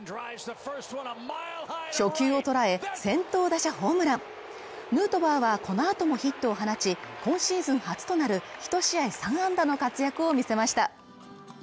初球を捉え、先頭打者ホームランヌートバーはこの後もヒットを放ち、今シーズン初となる１試合３安打の活躍を見せました。